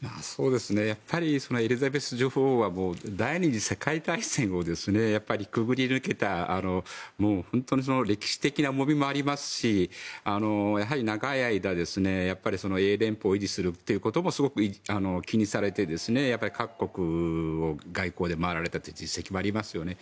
やっぱりエリザベス女王は第２次世界大戦をくぐり抜けたもう本当に歴史的な重みもありますしやはり長い間、英連邦を維持するということもすごく気にされて各国を外交で回られたという実績もありますよね。